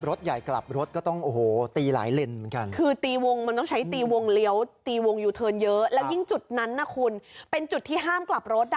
รถใหญ่กลับรถก็ต้องโอ้โหตีหลายเลนเหมือนกันคือตีวงมันต้องใช้ตีวงเลี้ยวตีวงยูเทิร์นเยอะแล้วยิ่งจุดนั้นนะคุณเป็นจุดที่ห้ามกลับรถอ่ะ